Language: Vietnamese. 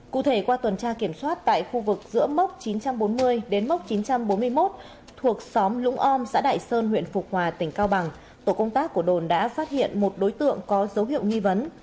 cụ thể qua tuần tra kiểm soát tại khu vực giữa mốc chín trăm bốn mươi đến mốc chín trăm bốn mươi một thuộc xóm lũng om xã đại sơn huyện phục hòa tỉnh cao bằng tổ công tác của đồn đã phát hiện một đối tượng có dấu hiệu nghi vấn